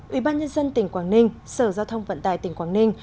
ủy ban nhân dân tỉnh quảng ninh sở giao thông vận tải tỉnh quảng ninh